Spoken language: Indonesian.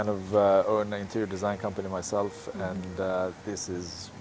saya memiliki perusahaan desain interior sendiri dan ini sangat membuat pikiran